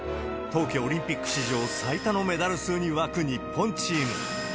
冬季オリンピック史上最多のメダル数に沸く日本チーム。